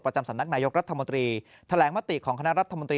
จำสำนักนายกรัฐมนตรีแถลงมติของคณะรัฐมนตรี